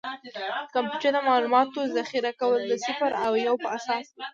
د کمپیوټر د معلوماتو ذخیره کول د صفر او یو په اساس ده.